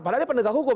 padahal penegak hukum